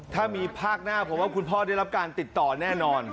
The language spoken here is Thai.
ถ้ามีภาคหน้าผมว่าคุณพ่อได้รับการติดต่อแน่นอน